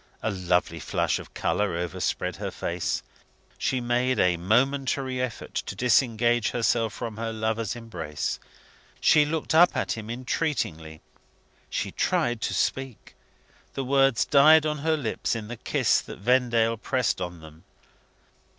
A lovely flush of colour overspread her face. She made a momentary effort to disengage herself from her lover's embrace. She looked up at him entreatingly. She tried to speak. The words died on her lips in the kiss that Vendale pressed on them.